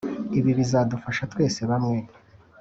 ibi bizadufasha twese bamwe